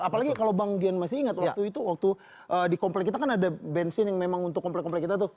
apalagi kalau bang dian masih ingat waktu itu waktu di komplek kita kan ada bensin yang memang untuk komplek komplek kita tuh